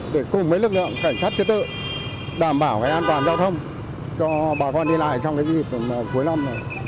để cùng với lực lượng cảnh sát chế tự đảm bảo an toàn giao thông cho bà con đi lại trong dịp cuối năm này